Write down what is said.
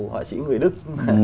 họa sĩ người đức